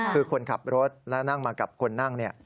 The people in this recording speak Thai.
คือคนขับรถและนั่งมากับคนนั่ง